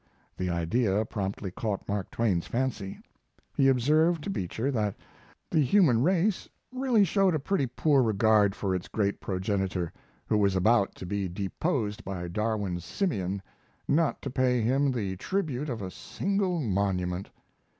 The idea promptly caught Mark Twain's fancy. He observed to Beecher that the human race really showed a pretty poor regard for its great progenitor, who was about to be deposed by Darwin's simian, not to pay him the tribute of a single monument.